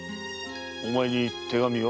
お前に手紙は？